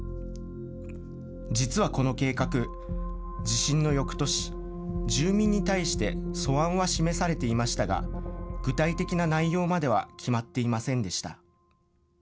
実はこの計画、地震のよくとし、住民に対して素案は示されていましたが、具体的な内容までは決まっていませんでした。